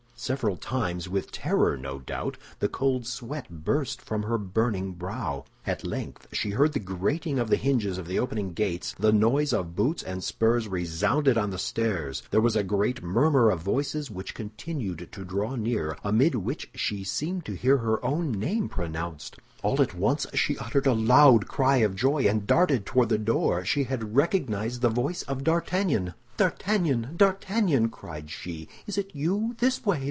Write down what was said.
Several times, with terror, no doubt, the cold sweat burst from her burning brow. At length she heard the grating of the hinges of the opening gates; the noise of boots and spurs resounded on the stairs. There was a great murmur of voices which continued to draw near, amid which she seemed to hear her own name pronounced. All at once she uttered a loud cry of joy, and darted toward the door; she had recognized the voice of D'Artagnan. "D'Artagnan! D'Artagnan!" cried she, "is it you? This way!